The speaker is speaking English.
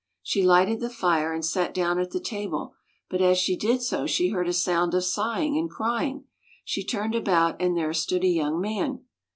She lighted the fire, and sat down at the table; but as she did so she heard a sound of sighing and crying. She turned about and there stood a young man.